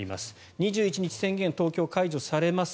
２１日、宣言が東京は解除されます。